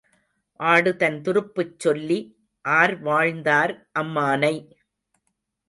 ஆடுதன் துருப்புச் சொல்லி ஆர் வாழ்ந்தார் அம்மானை?